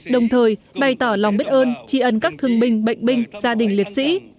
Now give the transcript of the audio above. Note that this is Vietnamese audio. đồng thời bày tỏ lòng biết ơn tri ân các thương binh bệnh binh gia đình liệt sĩ